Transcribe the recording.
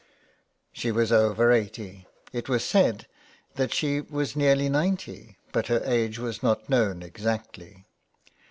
She was over eighty, it was said that she was nearly ninety, but her age was not known exactly.